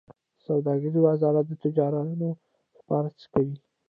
د سوداګرۍ وزارت د تجارانو لپاره څه کوي؟